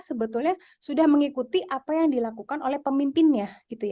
sebetulnya sudah mengikuti apa yang dilakukan oleh pemimpinnya